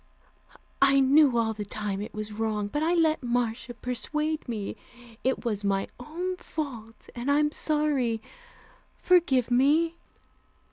I knew all the time it was wrong, but I let Marcia persuade me. It was my own fault, and I'm sorry. Forgive me."